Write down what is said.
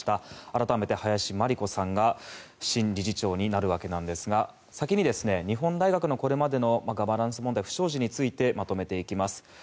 改めて、林真理子さんが新理事長になるわけなんですが先に日本大学のこれまでのガバナンス問題不祥事についてまとめていきます。